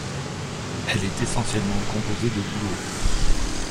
Elle est essentiellement composée de bouleau.